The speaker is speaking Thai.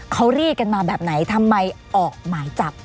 เขาเรียกกันมาแบบไหนทำไมออกหมายจับ